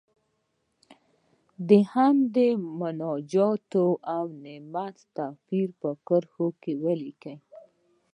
د حمد، مناجات او نعت توپیر په کرښو کې ولیکئ.